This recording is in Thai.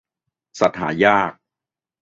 สัตว์หายาก